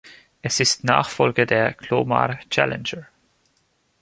Es ist Nachfolger der "Glomar Challenger".